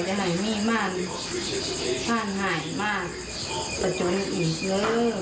จะให้มีมากท่านหายมากประจวนอีกเลย